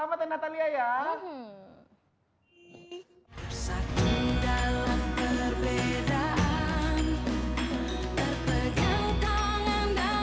oke sekali lagi selamat ya natalia ya